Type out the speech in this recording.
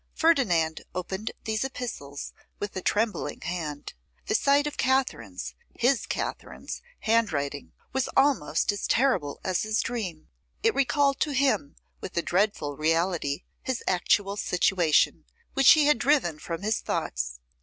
Ferdinand opened these epistles with a trembling hand. The sight of Katherine's, his Katherine's, handwriting was almost as terrible as his dream. It recalled to him, with a dreadful reality, his actual situation, which he had driven from his thoughts.